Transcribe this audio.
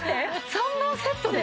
３本セットで？